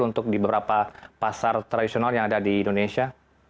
untuk di beberapa pasar tradisional yang ada di indonesia